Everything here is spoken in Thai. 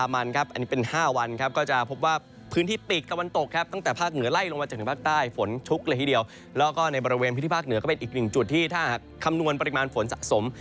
ภาคเหนือก็เป็นอีกหนึ่งจุดที่ถ้าคำนวณปริมาณฝนสะสม